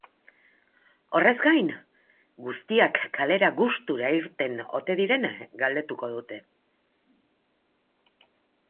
Horrez gain, guztiak kalera gustura irten ote diren galdetuko dute.